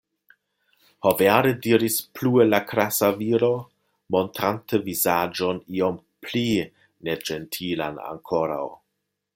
Ho, vere!? diris plue la grasa viro, montrante vizaĝon iom pli neĝentilan ankoraŭ.